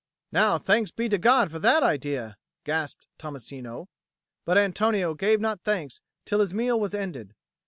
"Now thanks be to God for that idea!" gasped Tommasino. But Antonio gave not thanks till his meal was ended.